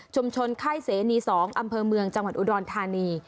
ชมชนไข้เสนีสองอำเภอเมืองจังหวัดอุดรธานี